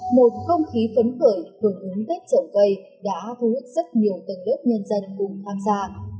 một không khí phấn khởi vừa uống tết trồng cây đã hữu ích rất nhiều tầng đất nhân dân cùng phát ra